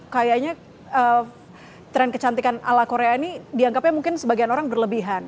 kayaknya tren kecantikan ala korea ini dianggapnya mungkin sebagian orang berlebihan